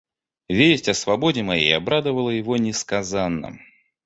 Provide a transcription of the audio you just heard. Весть о свободе моей обрадовала его несказанно.